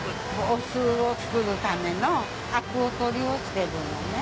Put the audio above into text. お酢を作るためのアク取りをしてるのね。